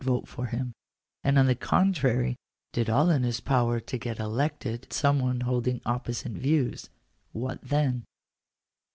vote for him ; and on the contrary did all in his power to get elected some one holding opposite views — what then?